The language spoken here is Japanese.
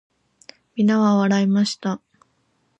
皆は笑いました。